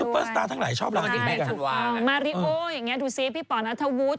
เปิ้ลสตาร์ทั้งหลายชอบลาเห็นไหมคะใช่มาริโออย่างนี้ดูสิพี่ป่อนัฐวุธ